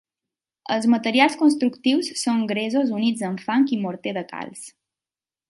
Els materials constructius són gresos units amb fang i morter de calç.